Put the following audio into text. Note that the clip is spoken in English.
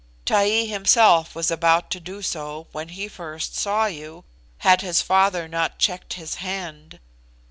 Taee himself was about to do so when he first saw you, had his father not checked his hand.